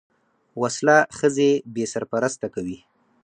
وسله ښځې بې سرپرسته کوي